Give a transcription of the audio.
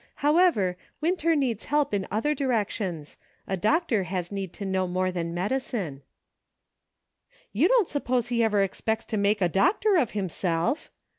However, Winter needs help in other directions ; a doctor has need to know more than medicine." "You don't suppose he ever expects to make a doctor of himself